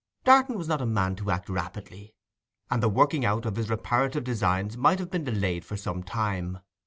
Darton was not a man to act rapidly, and the working out of his reparative designs might have been delayed for some time.